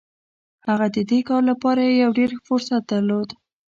هغه د دې کار لپاره يو ډېر ښه فرصت درلود.